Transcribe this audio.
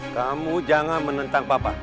kamu jangan menentang papa